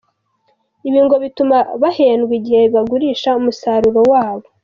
Ibi ngo bituma bahendwa igihe bagurisha umusaruro wabo.